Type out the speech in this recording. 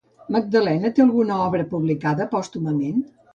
Magdalena té alguna obra publicada pòstumament?